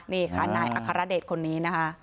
นี่ค่ะนายอัครเดชคนนี้นะคะ